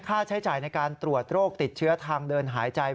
ค่าใช้จ่ายในการตรวจโรคติดเชื้อทางเดินหายใจ